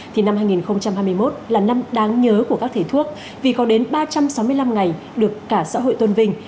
thì năm hai nghìn hai mươi một là năm đáng nhớ của các thầy thuốc vì có đến ba trăm sáu mươi năm ngày được cả xã hội tôn vinh